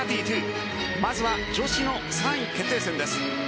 まずは女子の３位決定戦です。